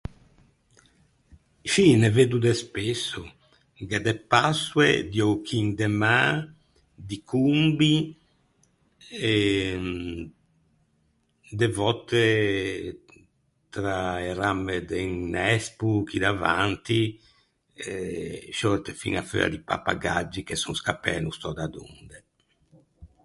Scì, ne veddo de spesso. Gh’é de passoe, di öchin de mâ, di combi e de vòtte tra e ramme de un nespoo chì davanti eh sciòrte fiña feua di pappagaggi che son scappæ no sò da donde.